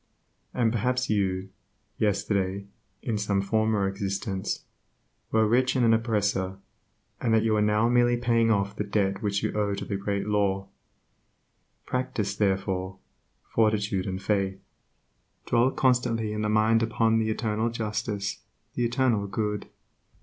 And perhaps you, yesterday (in some former existence) were rich and an oppressor, and that you are now merely paying off the debt which you owe to the Great Law. Practice, therefore, fortitude and faith. Dwell constantly in mind upon the Eternal justice, the Eternal Good.